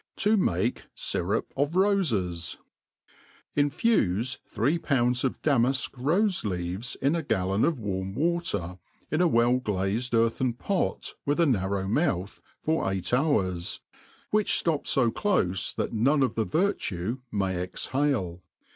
Tp matt Syrup rf Rtfeu INFUSE three pounds of damaflc rofe Ieave^ in a gallon of warm water, in a well glazed earthen pot, with a narrow moath, for eight hours, which flop fo clofe that none of the virtue may exhale.